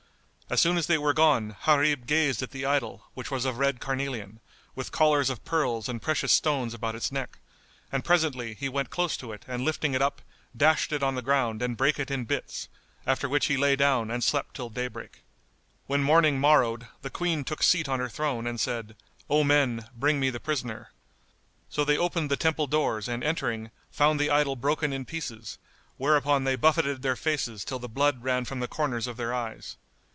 As soon as they were gone, Gharib gazed at the idol, which was of red carnelian, with collars of pearls and precious stones about its neck, and presently he went close to it and lifting it up, dashed it on the ground and brake it in bits; after which he lay down and slept till daybreak. When morning morrowed, the Queen took seat on her throne and said, "O men, bring me the prisoner." So they opened the temple doors and entering, found the idol broken in pieces, whereupon they buffeted their faces till the blood ran from the corners of their eyes.